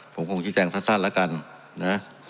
ผมคงชิดแจ้งสัดสั้นแล้วกันนะ